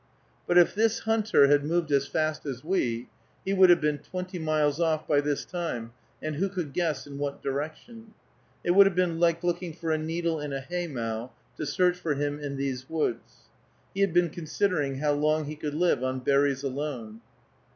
But if this hunter had moved as fast as we, he would have been twenty miles off by this time, and who could guess in what direction? It would have been like looking for a needle in a haymow, to search for him in these woods. He had been considering how long he could live on berries alone.